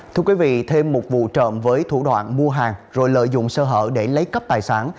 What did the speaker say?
thưa quý vị thêm một vụ trộm với thủ đoạn mua hàng rồi lợi dụng sơ hở để lấy cắp tài sản